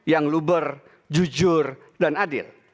yang luber jujur dan adil